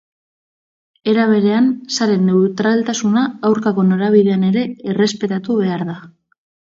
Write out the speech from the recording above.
Era berean, sare-neutraltasuna aurkako norabidean ere errespetatu behar da.